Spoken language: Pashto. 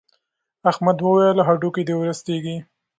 احمد وويل: هډوکي دې ورستېږي.